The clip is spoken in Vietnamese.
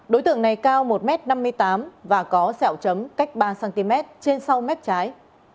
đối tượng này cao một m năm mươi tám và có sẹo chấm cách ba cm trên sau mép trái